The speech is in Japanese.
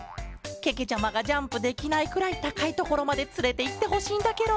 けけちゃまがジャンプできないくらいたかいところまでつれていってほしいんだケロ！